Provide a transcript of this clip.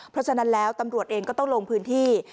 เพราะฉะนั้นแล้วตำรวจเองก็ต้องลงพื้นที่